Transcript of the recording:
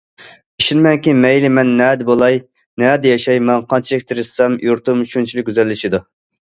ئىشىنىمەنكى، مەيلى مەن نەدە بولاي، نەدە ياشاي، مەن قانچىلىك تىرىشسام، يۇرتۇم شۇنچىلىك گۈزەللىشىدۇ.